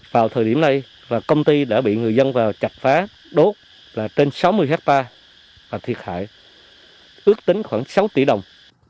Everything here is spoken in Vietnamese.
vào thời điểm này công ty đã bị người dân chặt phá đốt là trên sáu mươi hectare và thiệt hại ước tính khoảng sáu tỷ đồng